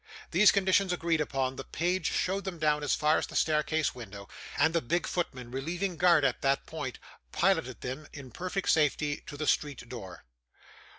These conditions agreed upon, the page showed them down as far as the staircase window; and the big footman, relieving guard at that point, piloted them in perfect safety to the street door.